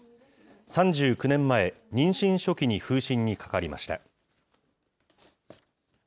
３９年前、妊娠初期に風疹にかかりました。